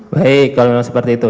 baik kalau memang seperti itu